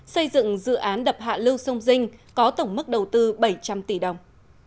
xây dựng dự án đập hạ lưu sông dinh có tổng mức đầu tư bảy trăm linh tỷ đồng